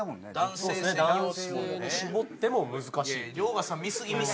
男性に絞っても難しい。